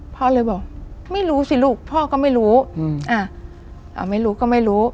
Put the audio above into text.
พ่อเลยบอกไม่รู้สิลูกพ่อก็ไม่รู้ไม่รู้ก็ไม่รู้